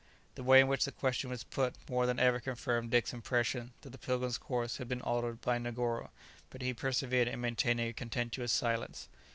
The way in which the question was put more than ever confirmed Dick's impression that the "Pilgrim's" course had been altered by Negoro, but he persevered in maintaining a contemptuous silence.